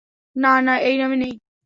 না না এই নামে নেই।